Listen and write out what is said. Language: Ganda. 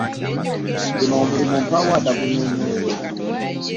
Guno omulimu mpaawo atagunyunyunse .